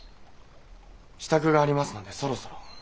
支度がありますのでそろそろ。